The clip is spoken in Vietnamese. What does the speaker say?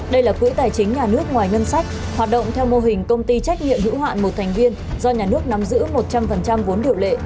đây là quỹ tài chính nhà nước ngoài ngân sách hoạt động theo mô hình công ty trách nhiệm hữu hạn một thành viên do nhà nước nắm giữ một trăm linh vốn điều lệ